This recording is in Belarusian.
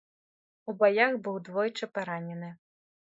У баях, быў двойчы паранены.